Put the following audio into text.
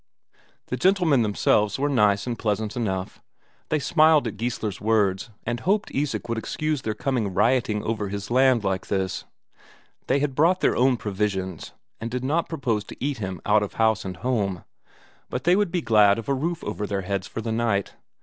The gentlemen themselves were nice and pleasant enough; they smiled at Geissler's words, and hoped Isak would excuse their coming rioting over his land like this. They had brought their own provisions, and did not propose to eat him out of house and home, but they would be glad of a roof over their heads for the night.